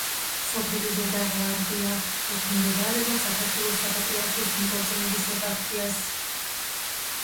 სოფელი ზედა ღვარდია ექვემდებარება საქართველოს საპატრიარქოს ნიკორწმინდის ეპარქიას.